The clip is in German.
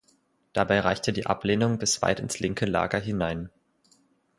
Dabei reichte die Ablehnung bis weit ins linke Lager hinein.